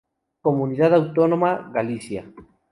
Comunidad autónoma: Galicia.